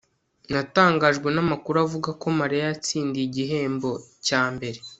natangajwe namakuru avuga ko mariya yatsindiye igihembo cya mbere